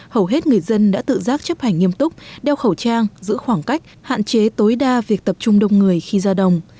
hầu hết người dân đã tự giác chấp hành nghiêm túc đeo khẩu trang giữ khoảng cách hạn chế tối đa việc tập trung đông người khi ra đồng